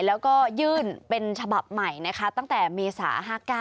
แล้วก็ยื่นเป็นฉบับใหม่นะคะตั้งแต่เมษา๕๙